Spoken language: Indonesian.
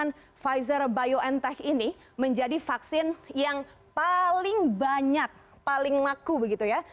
vaksin pfizer biontech ini menjadi vaksin yang paling banyak paling laku begitu ya